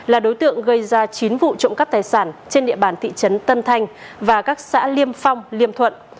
là đối tượng gây ra chín vụ trộm cắp tài sản trên địa bàn thị trấn tân thanh và các xã liêm phong liêm thuận